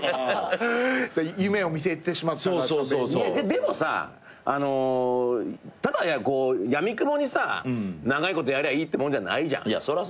でもさあのただこうやみくもにさ長いことやりゃいいってもんじゃないじゃん。